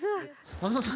松本さん。